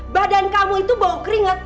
badan kamu itu bau keringat